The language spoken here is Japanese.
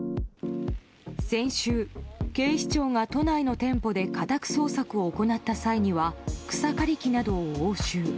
先週、警視庁が都内の店舗で家宅捜索を行った際には草刈り機などを押収。